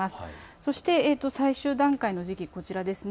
そして最終段階、こちらです。